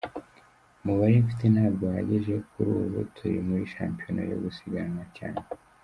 Umubare mfite ntabwo uhagije kuri ubu turi muri shampiyona yo gusiganwa cyane.